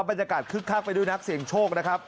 เป็นบรรยากาศคึกคักไปด้วยนักเสียงโชคนะครับ